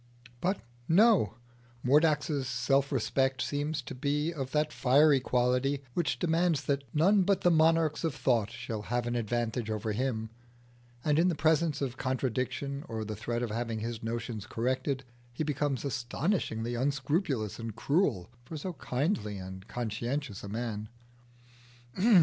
But no: Mordax's self respect seems to be of that fiery quality which demands that none but the monarchs of thought shall have an advantage over him, and in the presence of contradiction or the threat of having his notions corrected, he becomes astonishingly unscrupulous and cruel for so kindly and conscientious a man.